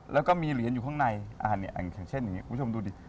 แล้วก็มีเหรียญอยู่ข้างในอย่างเช่นอย่างนี้คุณผู้ชมดูดิ